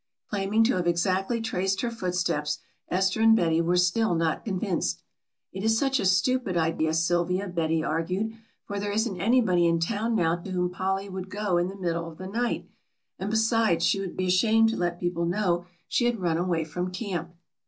Claiming to have exactly traced her footsteps Esther and Betty were still not convinced. "It is such a stupid idea, Sylvia," Betty argued, "for there isn't anybody in town now to whom Polly would go in the middle of the night, and besides she would be ashamed to let people know she had run away from camp."